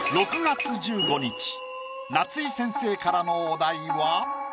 夏井先生からのお題は。